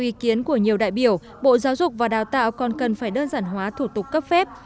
theo ý kiến của nhiều đại biểu bộ giáo dục và đào tạo còn cần phải đơn giản hóa thủ tục cấp phép